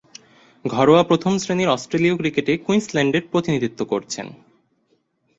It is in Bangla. ঘরোয়া প্রথম-শ্রেণীর অস্ট্রেলীয় ক্রিকেটে কুইন্সল্যান্ডের প্রতিনিধিত্ব করছেন।